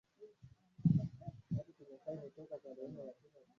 muziki rfi redio france international